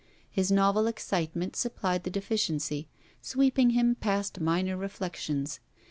His novel excitement supplied the deficiency, sweeping him past minor reflections.